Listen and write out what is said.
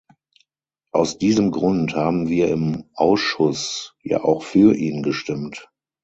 Aus diesem Grund haben wir im Ausschuss ja auch für ihn gestimmt.